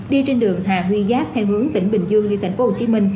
đi trên đường hà huy giáp theo hướng tỉnh bình dương đi tp hcm